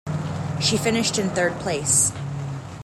She finished in third place.